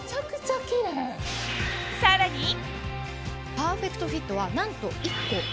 パーフェクトフィットはなんと。